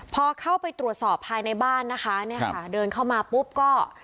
พอเข้าไปตรวจสอบภายในบ้านนะคะเนี่ยค่ะเดินเข้ามาปุ๊บก็